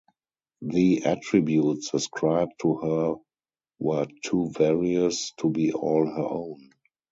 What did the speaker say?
The attributes ascribed to her were too various to be all her own.